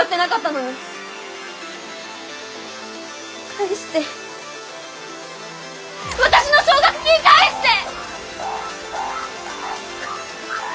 返して私の奨学金返して！